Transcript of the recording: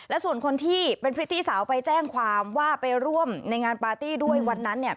และส่วนคนที่เป็นพริตตี้สาวไปแจ้งความว่าไปร่วมในงานปาร์ตี้ด้วยวันนั้นเนี่ย